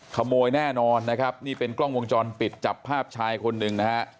ขโมยแน่นอนนะครับนี่เป็นกล้องวงจรปิดจับภาพชายคนหนึ่งนะฮะ